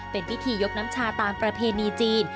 เป็นพิธียกน้ำชาตามประเพณีจีน